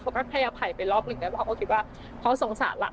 เขาก็แค่อภัยไปรอบหนึ่งแล้วบอกว่าโอเคว่าพ่อสงสารละ